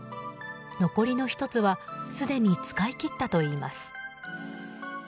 残りの１つはすでに使い切ったといいます。